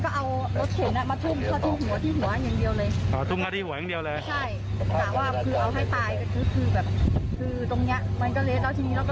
แต่ว่าเสร็จแล้วเขาก็เลยเข้าไปเอาของแล้วเขาเคยเช่าบ้านนี่